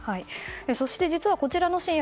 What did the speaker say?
そして、実はこちらの新薬